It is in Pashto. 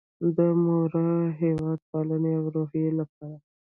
د مورال، هیواد پالنې او روحیې لپاره